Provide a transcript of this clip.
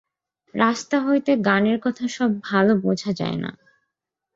রাস্তা হইতে গানের কথা সব ভালো বোঝা যায় না।